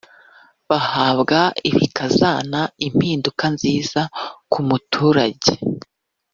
bahabwa bikazana impinduka nziza ku muturage